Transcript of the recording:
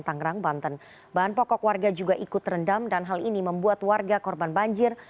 tangerang banten bahan pokok warga juga ikut terendam dan hal ini membuat warga korban banjir